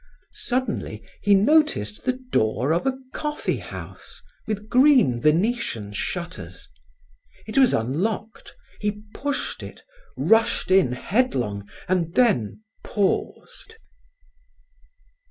Suddenly he noticed the door of a coffee house, with green Venetian shutters. It was unlocked; he pushed it, rushed in headlong and then paused.